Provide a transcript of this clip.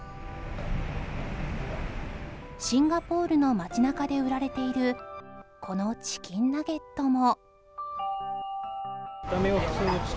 シンガポールの街中で売られているこのチキンナゲットも